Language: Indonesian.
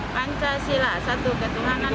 pancasila satu ketenangan yang manah esah